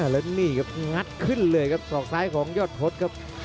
แล้วนี่ครับงัดขึ้นเลยครับศอกซ้ายของยอดพฤษครับ